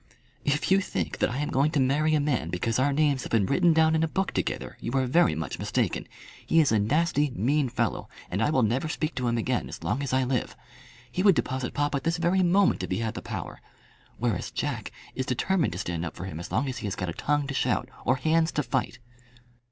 "If you think that I am going to marry a man because our names have been written down in a book together, you are very much mistaken. He is a nasty mean fellow, and I will never speak to him again as long as I live. He would deposit papa this very moment if he had the power. Whereas Jack is determined to stand up for him as long as he has got a tongue to shout or hands to fight."